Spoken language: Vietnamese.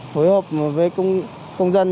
phối hợp với công dân